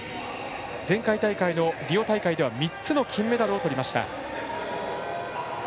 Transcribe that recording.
前回大会のリオ大会では３つの金メダルをとりました。